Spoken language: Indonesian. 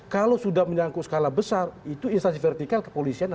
kalau sudah menyangkut skala besar itu instansi vertikal kepolisian